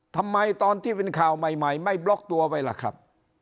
ทำไมตอนที่เป็นข่าวใหม่ไม่บล็อกตัวไว้ล่ะครับ